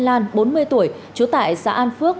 lan bốn mươi tuổi chú tại xã an phước